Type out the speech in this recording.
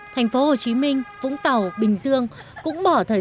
thành phố hồ chí minh vũng tàu bình dương cũng bỏ thời gian